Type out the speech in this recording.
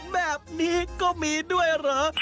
แบบนี้ก็มีด้วยเหรอ